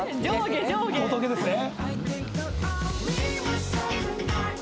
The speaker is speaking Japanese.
仏ですね。